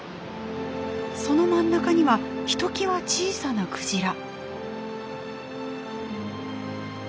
その真ん中にはひときわ小さなクジラ。